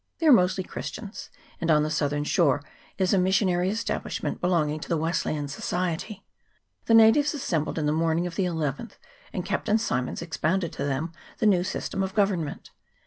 They are mostly Christians, and on the southern shore is a mission ary establishment belong to the Wesleyan Society. The natives assembled in the morning of the llth, and Captain Symonds expounded to them the new system of government.